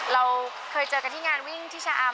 เราเคยเจอกันที่งานวิ่งที่ชะอำ